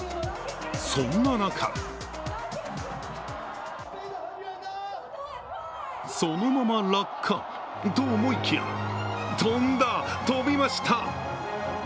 そんな中そのまま落下と思いきや、飛んだ、飛びました。